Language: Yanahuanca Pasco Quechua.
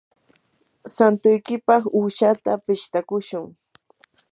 santuykipaq uushata pishtakushun.